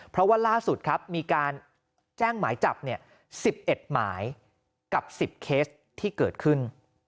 เพราะว่าล่าสุดครับมีการแจ้งหมายจับ๑๑หมายกับ๑๐เคสที่เกิดขึ้น